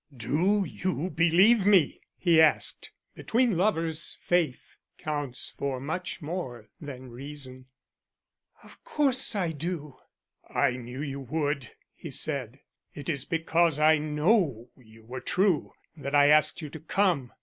"Do you believe me?" he asked. Between lovers faith counts for much more than reason. "Of course I do." "I knew you would," he said. "It is because I know you were true that I asked you to come.